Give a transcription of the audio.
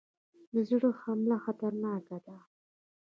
د زړه حمله خطرناکه ده